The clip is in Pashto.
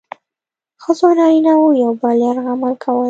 ښځو او نارینه وو یو بل یرغمل کول.